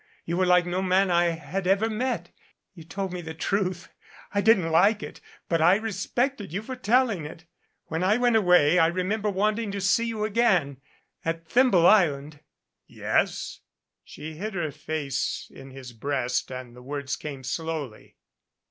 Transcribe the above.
You were like no man I had ever met. You told me the truth. I didn't like it, but I respected you for telling it. When I went away I re member wanting to see you again. At Thimble Island " "Yes?" She hid her face in his breast and the words came slowly.